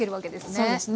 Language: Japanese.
そうですね。